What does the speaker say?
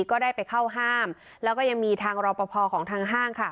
ก็ได้ไปเข้าห้ามแล้วก็ยังมีทางรอปภของทางห้างค่ะ